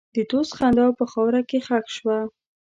د دوست خندا په خاوره کې ښخ شوه.